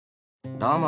どうも！